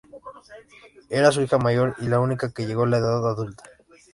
Era su hija mayor y la única que llegó a la edad adulta.